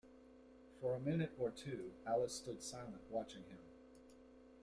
For a minute or two Alice stood silent, watching him.